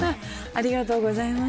ありがとうございます。